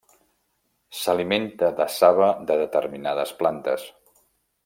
S'alimenta de saba de determinades plantes.